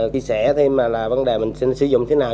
chia sẻ thêm là vấn đề mình xin sử dụng thế nào